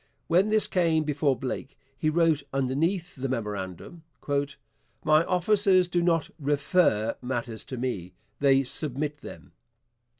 When this came before Blake, he wrote underneath the memorandum: 'My officers do not refer matters to me; they submit them.